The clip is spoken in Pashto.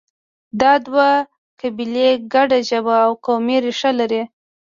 دا دوه قبیلې ګډه ژبه او قومي ریښه لري